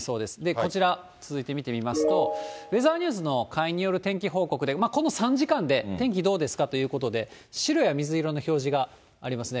こちら、続いて見てみますと、ウェザーニューズの会員による天気報告で、この３時間で天気どうですかということで、白や水色の表示がありますね。